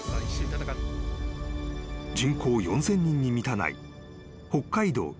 ［人口４，０００人に満たない］